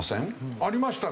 ありました。